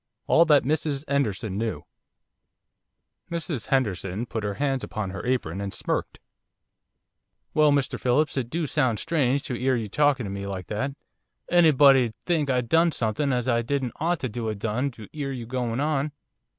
ALL THAT MRS 'ENDERSON KNEW Mrs Henderson put her hands under her apron and smirked. 'Well, Mr Phillips, it do sound strange to 'ear you talkin' to me like that. Anybody'd think I'd done something as I didn't ought to 'a' done to 'ear you going on.